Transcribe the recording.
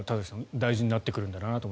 大事になってくるんだなと。